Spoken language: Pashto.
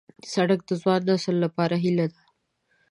سړک د ځوان نسل لپاره هیله ده.